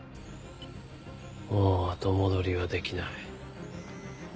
もう後戻りはできない。